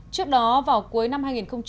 trước đó vào cuối năm hai nghìn một mươi bảy